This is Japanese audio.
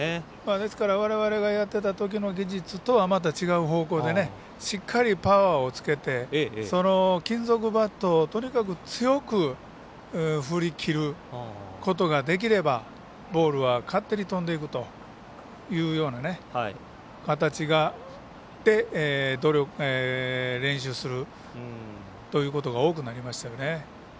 ですから、われわれがやってたときの技術とはまた違う方向でしっかりパワーをつけてその金属バットをとにかく強く振りきることができればボールは勝手に飛んでいくというような形があって練習することが多くなりましたよね。